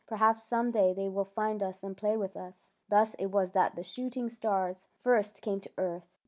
Perhaps some day they will find us and play with us! " Thus it was that the shooting stars first came to earth.